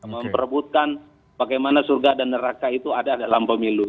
memperebutkan bagaimana surga dan neraka itu ada dalam pemilu